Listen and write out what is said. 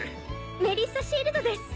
メリッサ・シールドです。